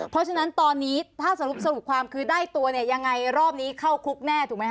เพราะฉะนั้นตอนนี้ถ้าสรุปความคือได้ตัวเนี่ยยังไงรอบนี้เข้าคุกแน่ถูกไหมค